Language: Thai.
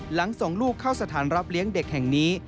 หลังส่งลูกเข้าสถานรับเลี้ยงเด็กแห่งนี้